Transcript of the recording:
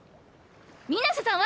水瀬さんは？